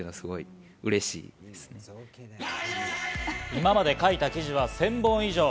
今まで書いた記事は１０００本以上。